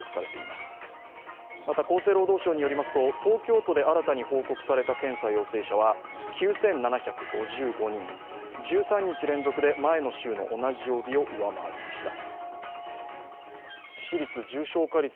また厚生労働省によりますと東京都で新たに報告された検査陽性者は９７５５人、１３日連続で前の週の同じ曜日を上回りました。